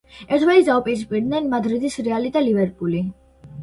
ერთმანეთს დაუპირისპირდნენ მადრიდის რეალი და ლივერპული.